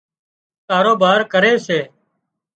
ڪاروبار ڪري سي